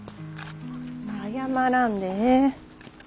謝らんでええ。